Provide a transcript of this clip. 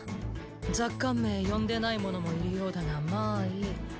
若干名呼んでない者もいるようだがまあいい。